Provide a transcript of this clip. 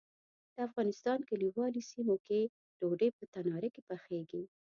د افغانستان کلیوالي سیمو کې ډوډۍ په تناره کې پخیږي.